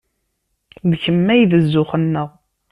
D kemm ay d zzux-nneɣ.